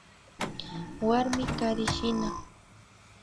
Warmi karishina